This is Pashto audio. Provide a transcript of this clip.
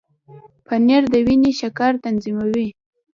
پنېر د وینې شکر تنظیموي.